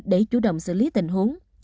để chủ động xử lý tình huống